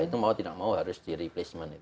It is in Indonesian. itu mau tidak mau harus di replacement